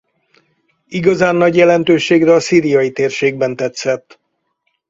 Igazán nagy jelentőségre a szíriai térségben tett szert.